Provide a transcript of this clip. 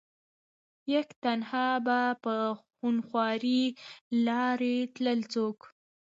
يک تنها به په خونخوارې لارې تلل څوک